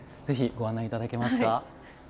ぜひご案内いただけますか。